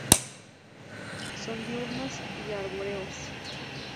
Son diurnos y arbóreos.